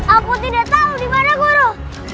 aku tidak tahu di mana guru